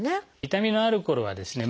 痛みのあるころはですね